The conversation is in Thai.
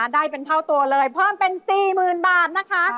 ได้เป็นเท่าตัวเลยเพิ่มเป็น๔๐๐๐บาทนะคะ